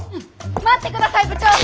待って下さい部長！